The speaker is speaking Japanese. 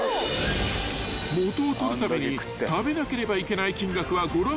［元を取るために食べなければいけない金額はご覧のとおり］